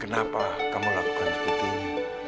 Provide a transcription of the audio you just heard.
kenapa kamu lakukan seperti ini